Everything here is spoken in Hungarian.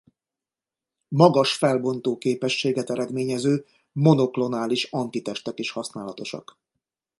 Magas felbontóképességet eredményező monoklonális antitestek is használatosak.